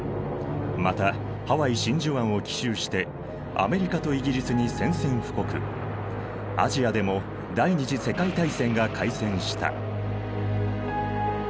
またハワイ真珠湾を奇襲してアメリカとイギリスに宣戦布告アジアでも第二次世界大戦が開戦した。